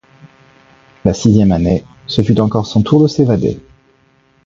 La sixième année, ce fut encore son tour de s'évader.